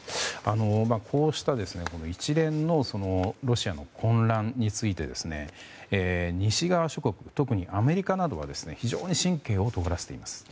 こうした一連のロシアの混乱について西側諸国、特にアメリカなどは非常に神経をとがらせています。